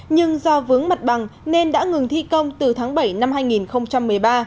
nhưng do vướng mặt bằng nên đã ngừng thi công từ tháng bảy năm hai nghìn một mươi ba